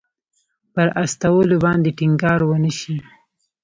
پر استولو باندې ټینګار ونه شي.